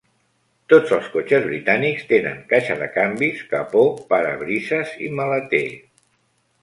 Tots els cotxes britànics tenen caixa de canvis, capó, parabrises i maleter